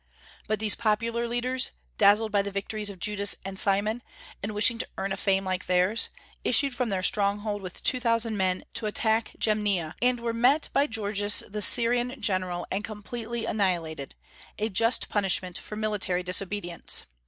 But these popular leaders, dazzled by the victories of Judas and Simon, and wishing to earn a fame like theirs, issued from their stronghold with two thousand men to attack Jamnia, and were met by Gorgias the Syrian general and completely annihilated, a just punishment for military disobedience.